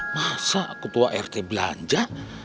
masa ketua rt belanja